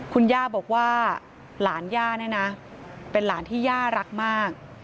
คุณย่าบอกว่าหลานย่าเนี่ยนะเป็นหลานที่ย่ารักมาก